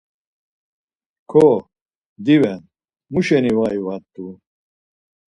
Ko, diven, muşeni var ivat̆u?